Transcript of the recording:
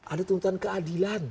ada tuntutan keadilan